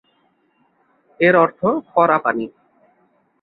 এর অর্থ কড়া পানি।